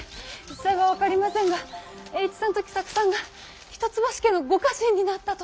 仔細は分かりませんが栄一さんと喜作さんが一橋家のご家臣になったと。